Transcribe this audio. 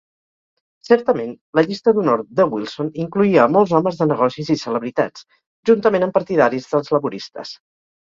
Certament la llista d'honor de Wilson incloïa a molts homes de negocis i celebritats, juntament amb partidaris dels Laboristes.